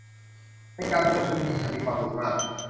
ในการประชุมนี้ฉันมีความสุขมาก